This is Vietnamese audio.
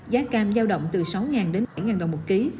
giá cam giao động từ sáu đến bảy đồng một ký